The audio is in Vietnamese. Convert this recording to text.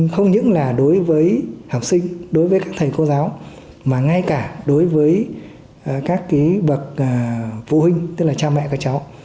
không những là đối với học sinh đối với các thầy cô giáo mà ngay cả đối với các bậc phụ huynh tức là cha mẹ các cháu